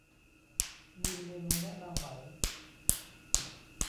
มีเมนูแนะนำไหม